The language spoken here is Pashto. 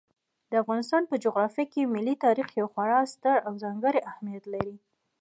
د افغانستان په جغرافیه کې ملي تاریخ یو خورا ستر او ځانګړی اهمیت لري.